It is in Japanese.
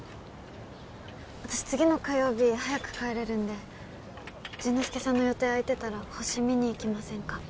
私次の火曜日早く帰れるんで潤之介さんの予定あいてたら星見にいきませんか？